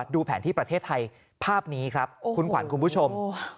ดูแผนที่ประเทศไทยภาพนี้ครับคุณขวัญคุณผู้ชม